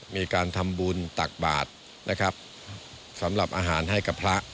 มีการทำบุญตักบาทนะครับสำหรับอาหารให้กับพระ